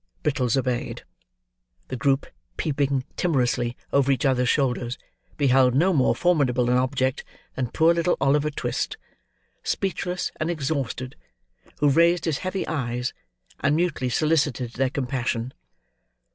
Brittles obeyed; the group, peeping timorously over each other's shoulders, beheld no more formidable object than poor little Oliver Twist, speechless and exhausted, who raised his heavy eyes, and mutely solicited their compassion.